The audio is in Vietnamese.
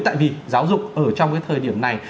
tại vì giáo dục ở trong cái thời điểm này